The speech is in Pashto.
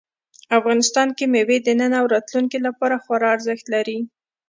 افغانستان کې مېوې د نن او راتلونکي لپاره خورا ارزښت لري.